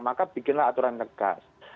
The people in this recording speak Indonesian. maka bikinlah aturan tegas